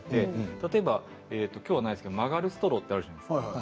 例えば、曲がるストローってあるじゃないですか